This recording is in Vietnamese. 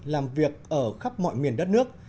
làm việc ở khắp mọi miền đất nước